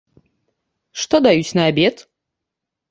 Што даюць на абед?